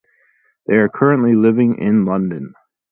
They are currently living in London.